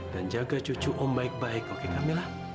dan jaga cucu om baik baik oke kamilah